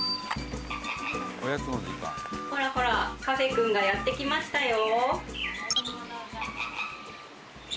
ほらほらカフェくんがやって来ましたよ